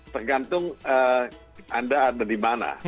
tergantung anda ada di mana